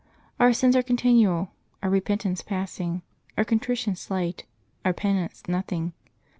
Our sins are continual, our repentance passing, our contrition slight, our penance nothing.